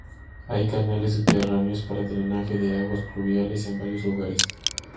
Hay canales subterráneos para drenaje de aguas pluviales en varios lugares.